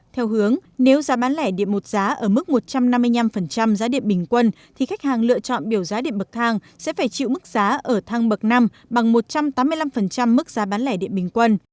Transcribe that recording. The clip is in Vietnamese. theo hướng nếu giá bán lẻ điện một giá ở mức một trăm năm mươi năm giá điện bình quân thì khách hàng lựa chọn biểu giá điện bậc thang sẽ phải chịu mức giá ở thang bậc năm bằng một trăm tám mươi năm mức giá bán lẻ điện bình quân